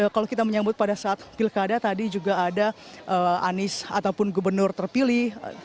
kalau kita menyambut pada saat pilkada tadi juga ada anies ataupun gubernur terpilih